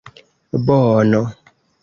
bono